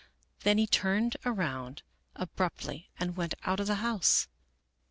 Then he turned around abruptly and went out of the house.